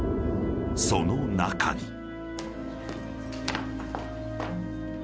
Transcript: ［その中に］